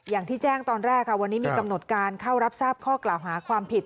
อย่างที่แจ้งตอนแรกค่ะวันนี้มีกำหนดการเข้ารับทราบข้อกล่าวหาความผิด